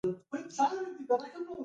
هیواد مې د روڼ سبا نښه ده